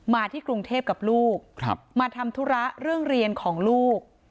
ที่กรุงเทพกับลูกมาทำธุระเรื่องเรียนของลูก